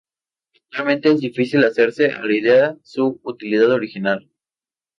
Actualmente es difícil hacerse a la idea su utilidad original.